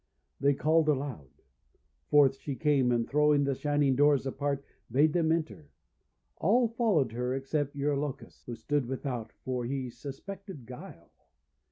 They called aloud. Forth she came, and throw ing the shining doors apart, bade them enter. All followed her except Eurylochus, who stood without, for he suspected guile.